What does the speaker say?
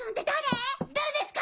誰ですか？